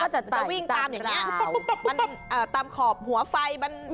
มันก็จะตายตามยังไงตามขอบหัวไฟมัน